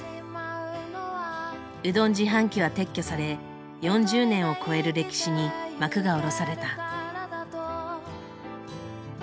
うどん自販機は撤去され４０年を超える歴史に幕が下ろされた。